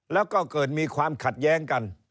แล้วก็เกิดมีความขัดแย้งกัน